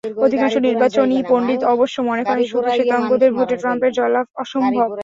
অধিকাংশ নির্বাচনী পণ্ডিত অবশ্য মনে করেন, শুধু শ্বেতাঙ্গদের ভোটে ট্রাম্পের জয়লাভ অসম্ভব।